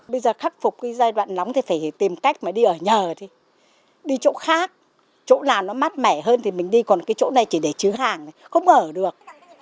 bây giờ khắc phục cái giai đoạn nóng thì phải tìm cách mà đi ở nhờ đi chỗ khác chỗ nào nó mát mẻ hơn thì mình đi còn cái chỗ này chỉ để chứa hàng không ở được